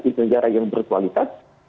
itu negara yang berkualitas